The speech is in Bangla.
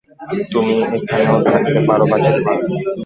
তুমি এখানেও থাকতে পারো বা যেতে পারো।